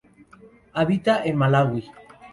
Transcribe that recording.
Habita en Malaui.